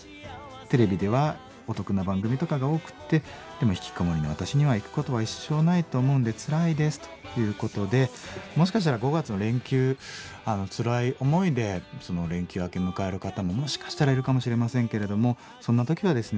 テレビではお得な番組とかが多くってでもひきこもりの私には行くことは一生ないと思うんでつらいです」ということでもしかしたら５月の連休つらい思いで連休明け迎える方ももしかしたらいるかもしれませんけれどもそんな時はですね